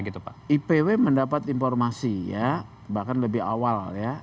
ipw mendapat informasi ya bahkan lebih awal ya